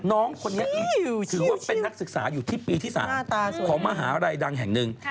น้องคนนี้ถือว่าเป็นนักศึกษาอยู่ที่ปีที่๓ของมหาลัยดังแห่งหนึ่ง